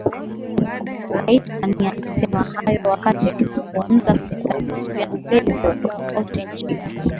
Rais Samia amesema hayo wakati akizungumza katika siku ya Mlezi wa Skauti nchini